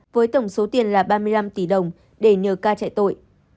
với tổng số tiền là ba mươi năm tỷ đồng để nhờ ca chạy tội